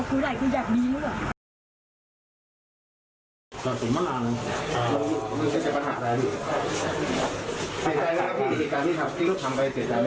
เซยไม่ร้อยนะครับ